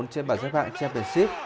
trên bản giáp hạng championship